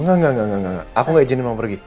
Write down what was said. enggak enggak enggak aku enggak izinin mama pergi